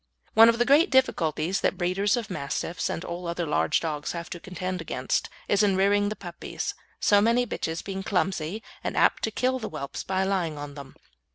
One of the great difficulties that breeders of Mastiffs and all other large dogs have to contend against is in rearing the puppies; so many bitches being clumsy and apt to kill the whelps by lying on them.